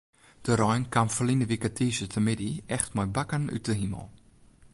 De rein kaam ferline wike tiisdeitemiddei echt mei bakken út de himel.